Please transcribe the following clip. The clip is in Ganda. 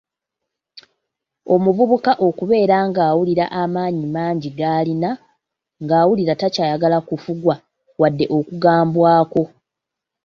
Omuvubuka okubeera ng'awulira amaanyi mangi galina, ng'awulira takyayagala kufugwa wadde okugambwako.